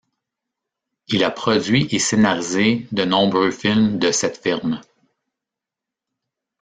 Il a produit et scénarisé de nombreux films de cette firme.